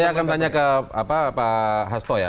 saya akan tanya ke pak hasto ya